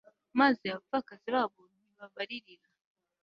maze abapfakazi babo ntibabaririra